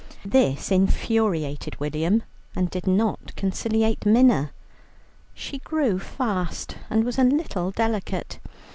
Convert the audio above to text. This infuriated William, and did not conciliate Minna. She grew fast and was a little delicate.